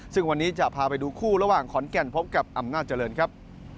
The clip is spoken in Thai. ซึ่งวันนี้จะพาไปดูคู่ระหว่างขอนแก่นพบกับอำนาจเจริญครับ